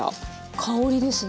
香りですね。